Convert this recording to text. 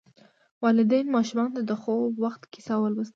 والدین ماشوم ته د خوب وخت کیسه لوستل.